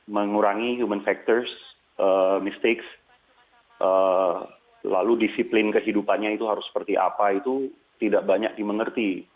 mengurangi human factors mistakes lalu disiplin kehidupannya itu harus seperti apa itu tidak banyak dimengerti